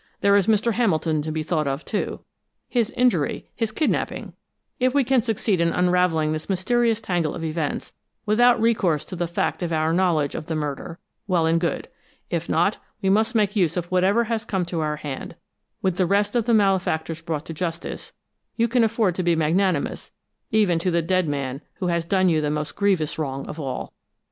There is Mr. Hamilton to be thought of, too his injury, his kidnaping! If we can succeed in unraveling this mysterious tangle of events without recourse to the fact of our knowledge of the murder, well and good. If not, we must make use of whatever has come to our hand. With the rest of the malefactors brought to justice, you can afford to be magnanimous even to the dead man who has done you the most grievous wrong of all."